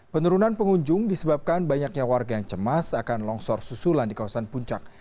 penurunan pengunjung disebabkan banyaknya warga yang cemas akan longsor susulan di kawasan puncak